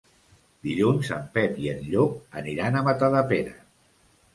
Dilluns en Pep i en Llop aniran a Matadepera.